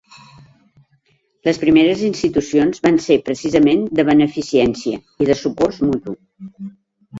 Les primeres institucions van ser precisament de beneficència i de socors mutu.